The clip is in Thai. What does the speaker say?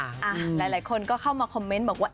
หลายคนก็เข้ามาคอมเมนต์บอกว่า